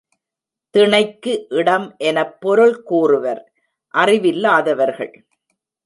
திணைக்கு இடம் எனப் பொருள் கூறுவர் அறிவில்லாதவர்கள்.